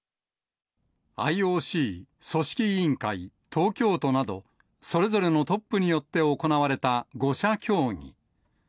ＩＯＣ、組織委員会、東京都など、それぞれのトップによって行われた５者協議。